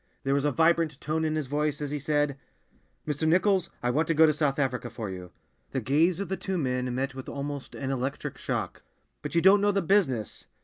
There was a vibrant tone in his voice as he said, "Mr. Nichols, I want to go to South Africa for you." The gaze of the two men met with almost an electric shock. "But you don't know the business!"